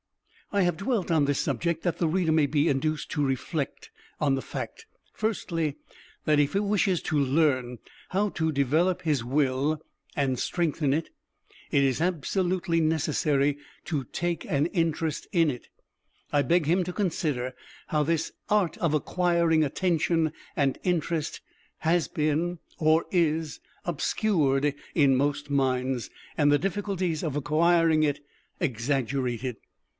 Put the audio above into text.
I have dwelt on this subject that the reader may be induced to reflect on the fact, firstly, that if he wishes to learn how to develop his Will and strengthen it, it is absolutely necessary to take an interest in it. I beg him to consider how this art of acquiring attention and interest has been, or is, obscured in most minds, and the difficulties of acquiring it, exaggerated.